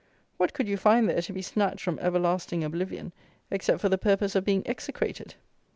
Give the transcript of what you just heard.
What could you find there to be snatched from everlasting oblivion, except for the purpose of being execrated?"